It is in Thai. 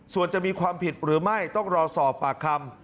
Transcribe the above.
ส่วนจะมีความผิดหรือไม่ต้องรอสอบปากคำ